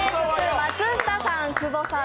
松下さん、久保さん